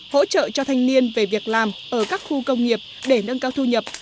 hỗ trợ cho thanh niên về việc làm ở các khu công nghiệp để nâng cao thu nhập